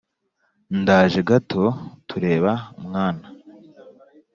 ndaje gato tureba mwana